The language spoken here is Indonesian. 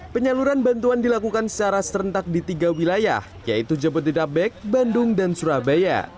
penyaluran bantuan dilakukan secara serentak di tiga wilayah yaitu jabodetabek bandung dan surabaya